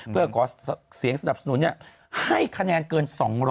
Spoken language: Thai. เพื่อขอเสียงสนับสนุนให้คะแนนเกิน๒๐๐